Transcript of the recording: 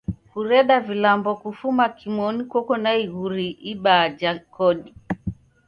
Kureda vilambo kufuma kimonu koko na iguri ibaa ja kodi.